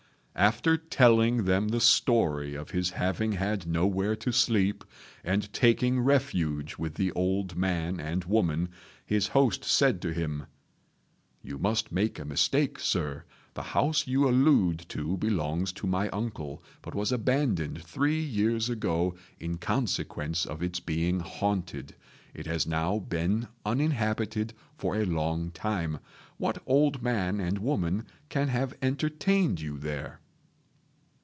After telling them the story of his having had nowhere to sleep, and taking refuge with the old man and woman, his host said to him, "You must make a mistake, Sir; the house you allude to belongs to my uncle, but was abandoned three years ago in consequence of its being haunted. It has now been uninhabited for a long time. What old man and woman can have entertained you there?"